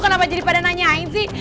kenapa jadi pada nanyain sih